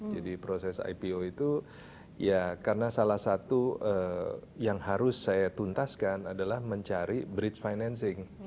jadi proses ipo itu ya karena salah satu yang harus saya tuntaskan adalah mencari bridge financing